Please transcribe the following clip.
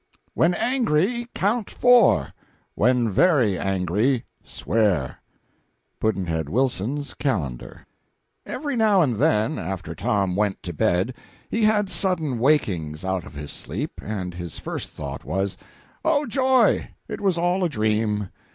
When angry, count four; when very angry, swear. Pudd'nhead Wilson's Calendar. Every now and then, after Tom went to bed, he had sudden wakings out of his sleep, and his first thought was, "Oh, joy, it was all a dream!"